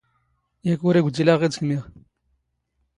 ⵢⴰⴽ ⵓⵔ ⵉⴳⴷⵉⵍ ⴰⴷ ⵖⵉⴷ ⴽⵎⵉⵖ?